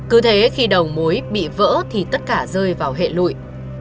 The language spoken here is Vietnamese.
cứ thế khi đầu mối bị vỡ thì tất cả rơi vào hệ lụi